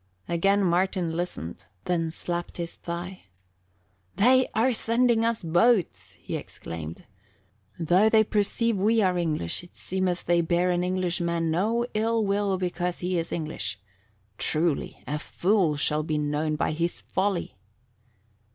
Again Martin listened, then slapped his thigh. "They are sending us boats!" he exclaimed. "Though they perceive we are English, it seemeth they bear an Englishman no ill will because he is English. Truly, a fool shall be known by his folly!"